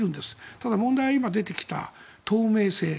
ただ、問題は今出てきた透明性。